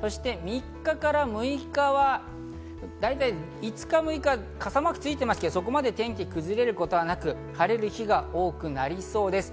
３日から６日はだいたい５日、６日、傘マークついてますけど、そこまで天気が崩れることはなく、晴れる日が多くなりそうです。